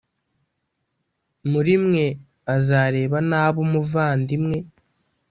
muri mwe, azareba nabi umuvandimwe